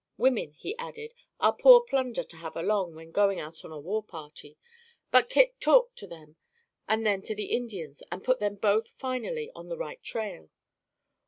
Women (he added) are poor plunder to have along when going out on a war party, but Kit talked to them and then to the Indians, and put them both finally on the right trail.